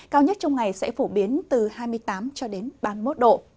cao nhất trong ngày sẽ phổ biến từ hai mươi tám ba mươi một độ